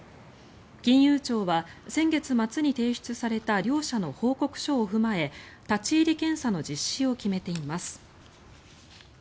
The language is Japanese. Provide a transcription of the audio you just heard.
金融庁は先月末に提出された両社の報告書を踏まえ立ち入り検査の実施を決めています。